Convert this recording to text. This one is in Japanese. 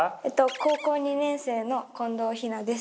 高校２年生の近藤陽菜です。